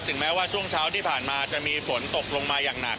แม้ว่าช่วงเช้าที่ผ่านมาจะมีฝนตกลงมาอย่างหนัก